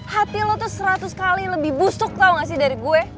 hati lu tuh seratus kali lebih busuk tau gak sih dari gue